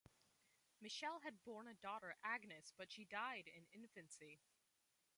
Michelle had borne a daughter, Agnes, but she died in infancy.